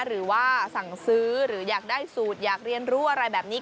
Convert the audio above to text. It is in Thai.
หรือว่าสั่งซื้อหรืออยากได้สูตรอยากเรียนรู้อะไรแบบนี้